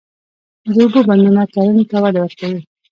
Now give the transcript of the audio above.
د اوبو بندونه کرنې ته وده ورکوي.